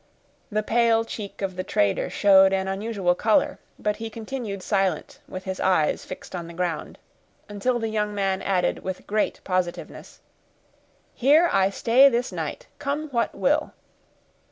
The pale cheek of the trader showed an unusual color, but he continued silent, with his eyes fixed on the ground, until the young man added, with great positiveness, "Here I stay this night, come what will."